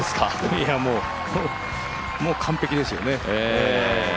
いやもう、もう完璧ですよね